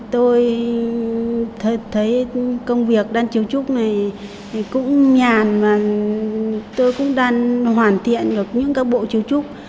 tôi thấy công việc đan chiếu trúc này cũng nhàn và tôi cũng đang hoàn thiện được những các bộ kiến trúc